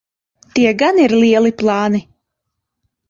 Tie gan ir lieli plāni.